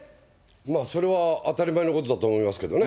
まあ、それは当たり前のことだと思いますけどね。